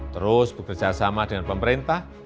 terus bekerja sama dengan pemerintah